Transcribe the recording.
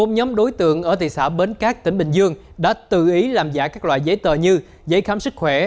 bốn nhóm đối tượng ở thị xã bến cát tỉnh bình dương đã tự ý làm giả các loại giấy tờ như giấy khám sức khỏe